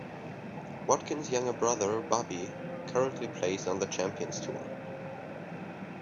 Wadkins' younger brother, Bobby, currently plays on the Champions Tour.